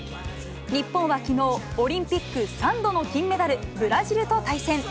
日本はきのう、オリンピック３度の金メダル、ブラジルと対戦。